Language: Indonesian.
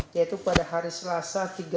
yaitu pada hari selasa